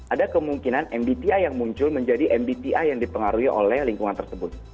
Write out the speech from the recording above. ada kemungkinan mbti yang muncul menjadi mbti yang dipengaruhi oleh lingkungan tersebut